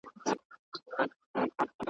په یارانو چي یې زهر نوشوله .